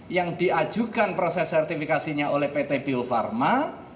yang diajukan proses sertifikasinya oleh pt bill pharma